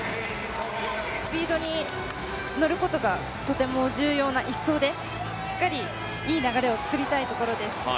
スピードに乗ることがとても重要な、１走で、しっかりいい流れを作りたいところです。